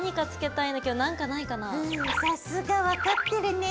うんさすが分かってるねぇ。